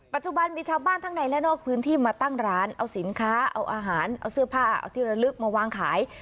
ปัจจุบันมีชาวบ้านทั้งในและนอกพื้นที่มาตั้งร้านเอาสินค้าเอาอาหารเอาเสื้อผ้าเอาที่ระลึกมาวางขาย